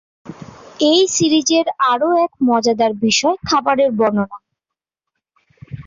এই সিরিজের আরও এক মজাদার বিষয় খাবারের বর্ণনা।